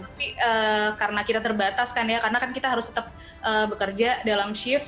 tapi karena kita terbatas kan ya karena kan kita harus tetap bekerja dalam shift